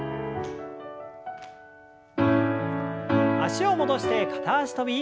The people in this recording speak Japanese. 脚を戻して片脚跳び。